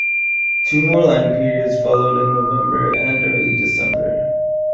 Two more line periods followed in November and early December.